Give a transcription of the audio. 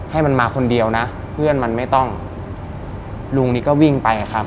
ให้มันมาคนเดียวนะเพื่อนมันไม่ต้องลุงนี่ก็วิ่งไปครับ